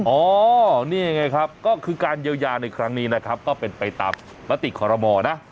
อ๋อออนี่ยังไงครับก็คือการเยี่ยมยากเป็นปีนตามมาตรีธรรมน์